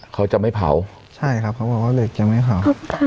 เขาจะไม่เผาใช่ครับเขาบอกว่าเหล็กยังไม่เผา